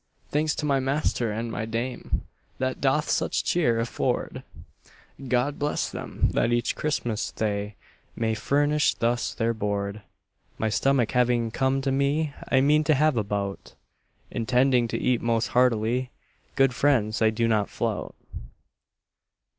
Thanks to my master and my dame That doth such cheer afford; God bless them, that each Christmas they May furnish thus their board. My stomach having come to me, I mean to have a bout, Intending to eat most heartily; Good friends, I do not flout.